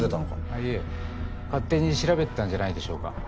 いえ勝手に調べてたんじゃないでしょうか？